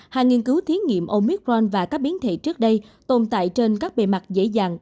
hai nghiên cứu thí nghiệm omicron và các biến thể trước đây tồn tại trên các bề mặt dễ dàng